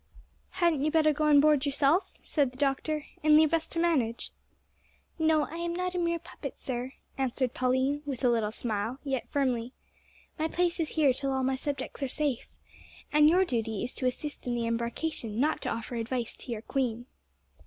"Hadn't you better go on board yourself?" said the doctor, "and leave us to manage." "No, I am not a mere puppet, sir," answered Pauline, with a little smile, yet firmly. "My place is here till all my subjects are safe! And your duty is to assist in the embarkation, not to offer advice to your queen!"